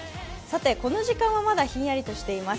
この時間はまだひんやりとしています。